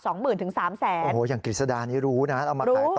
โอ้โหอย่างกฤษดานี่รู้นะเอามาขายต่อ